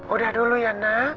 udah dulu ya na